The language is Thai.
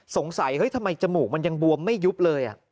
สงสัยเฮ้ยทำไมจมูกมันยังบวมไม่ยุบเลย